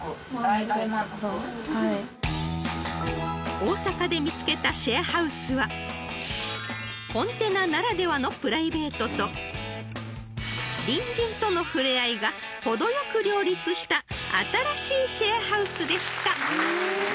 ［大阪で見つけたシェアハウスはコンテナならではのプライベートと隣人との触れ合いが程よく両立した新しいシェアハウスでした］